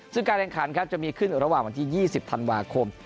ซึ่งการแข่งขันครับจะมีขึ้นระหว่างวันที่๒๐ธันวาคม